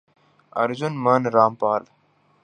ارجن من را مپال